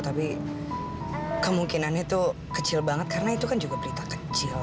tapi kemungkinannya itu kecil banget karena itu kan juga berita kecil